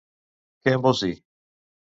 Què em vols dir?